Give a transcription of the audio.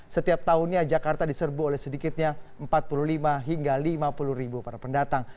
setiap tahunnya jakarta diserbu oleh sedikitnya empat puluh lima hingga lima puluh ribu para pendatang